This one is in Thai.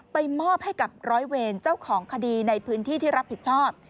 มอบให้กับร้อยเวรเจ้าของคดีในพื้นที่ที่รับผิดชอบ